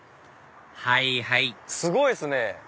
はいはいすごいですね。